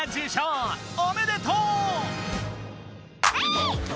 おめでとう！